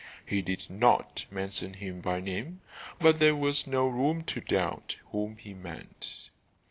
He did not mention him by name, but there was no room to doubt whom he meant.